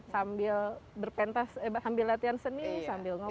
sambil berpentas sambil latihan seni sambil ngobrol